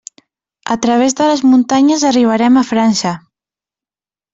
A través de les muntanyes arribarem a França.